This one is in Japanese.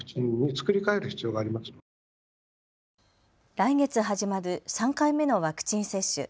来月始まる３回目のワクチン接種。